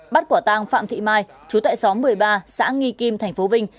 bắt quả tang phạm thị mai chú tại xóm một mươi ba xã nghi kim tp vinh